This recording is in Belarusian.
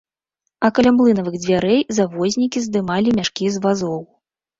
А каля млынавых дзвярэй завознікі здымалі мяшкі з вазоў.